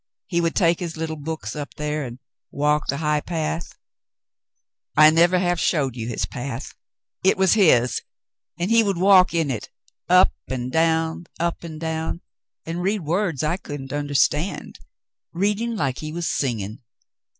He would take his little books up there and walk the high path. I never have showed Cassandra tells of her Father 109 you his path. It was his, and he would walk in it, up and down, up and down, and read words I couldn't understand, reading Hke he was singing.